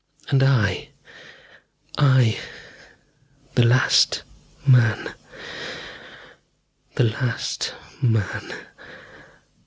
And I I, the last man.... The last man....